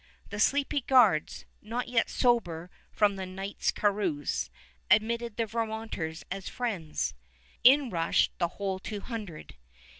The sleepy guards, not yet sober from the night's carouse, admitted the Vermonters as friends. In rushed the whole two hundred.